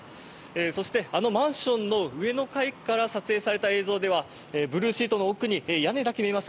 そして、あのマンションの上の階から撮影された映像ではブルーシートの奥に屋根だけ見えます